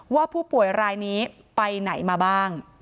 ว่าผู้ป่วยรายนี้ไปไหนมาบ้าง